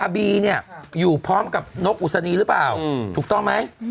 บีเนี่ยอยู่พร้อมกับนกอุศนีหรือเปล่าถูกต้องไหม